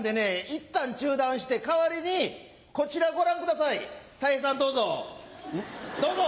いったん中断して代わりにこちらご覧くださいたい平さんどうぞどうぞ！